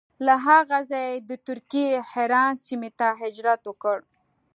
له هغه ځایه یې د ترکیې حران سیمې ته هجرت وکړ.